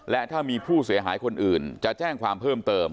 และถ้ามีผู้เสียหายคนอื่นจะแจ้งความเพิ่มเติม